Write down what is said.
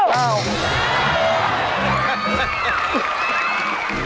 เหปาตะเกะเหปาตะเกะ